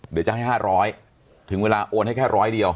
เดี๋ยวจะให้๕๐๐ถึงเวลาโอนให้แค่ร้อยเดียว